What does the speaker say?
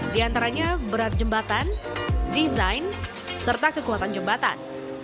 diantaranya berat jembatan desain serta kekuatan jembatan